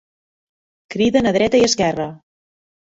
Criden a dreta i esquerra.